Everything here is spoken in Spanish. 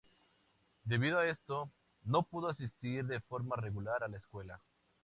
Debido a esto, no pudo asistir de forma regular a la escuela.